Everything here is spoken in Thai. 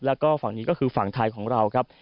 แล้วก็ฝั่งนี้ก็คือฝั่งไทยของเราครับ